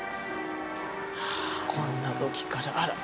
こんな時からあらっ。